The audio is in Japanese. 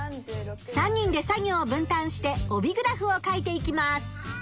３人で作業を分たんして帯グラフを書いていきます。